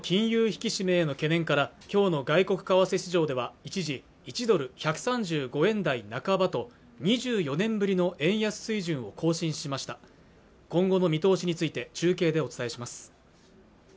引き締めの懸念からきょうの外国為替市場では一時１ドル１３５円台半ばと２４年ぶりの円安水準を更新しました今後の見通しについて中継でお伝えします